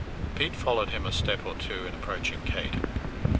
Pete followed him a step or two in approaching Kate.